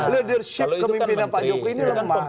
leadership kemimpinan pak jokowi ini lemah